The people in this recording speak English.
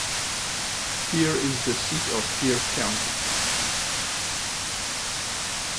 Fier is the seat of Fier County.